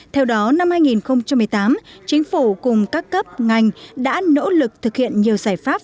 theo đó năm hai nghìn một mươi tám chính phủ cùng các cấp ngành đã nỗ lực thực hiện nhiều giải pháp